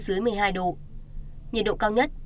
dưới một mươi hai độ nhiệt độ cao nhất